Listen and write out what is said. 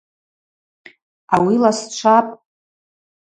Ауи ласчвапӏ!